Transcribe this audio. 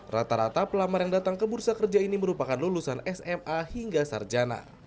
rata rata pelamar yang datang ke bursa kerja ini merupakan lulusan sma hingga sarjana